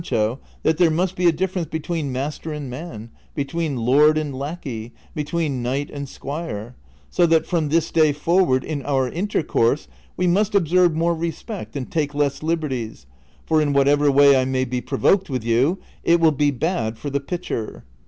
wilt gather, Sanclio, that there must be a difference between master and man, between lord and lackey, between knight and squire : so that from this day forward in our intercourse we must observe more respect and take less liberties, for in what ever way I may be provoked with you it will be bad for the pitcher.